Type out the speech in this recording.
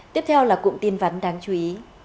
tiếp theo là cụm tin vắn đáng chú ý